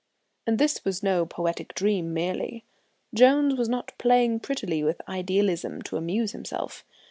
And this was no poetic dream merely. Jones was not playing prettily with idealism to amuse himself.